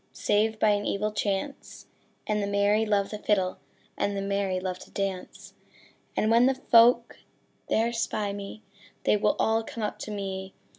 Save by an evil chance, And the merry love the fiddle And the merry love to dance: And when the folk there spy me, They will all come up to me.